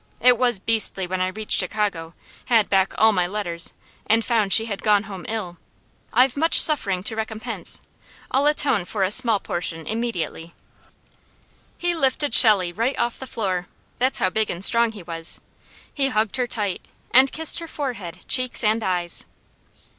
It was beastly when I reached Chicago, had back all my letters, and found she had gone home ill. I've much suffering to recompense. I'll atone for a small portion immediately." He lifted Shelley right off the floor that's how big and strong he was he hugged her tight, and kissed her forehead, cheeks, and eyes.